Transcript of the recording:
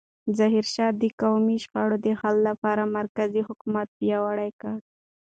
ظاهرشاه د قومي شخړو د حل لپاره مرکزي حکومت پیاوړی کړ.